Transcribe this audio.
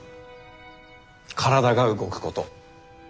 体が動くこと。